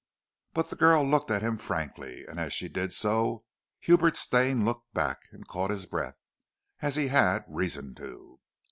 But the girl looked at him frankly, and as she did so, Hubert Stane looked back, and caught his breath, as he had reason to.